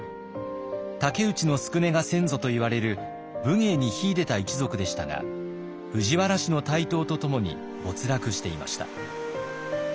武内宿禰が先祖といわれる武芸に秀でた一族でしたが藤原氏の台頭とともに没落していました。